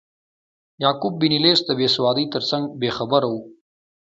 یعقوب بن لیث د بیسوادۍ ترڅنګ بې خبره و.